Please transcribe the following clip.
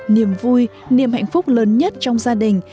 niềm vui niềm hạnh phúc lớn nhất trong gia đình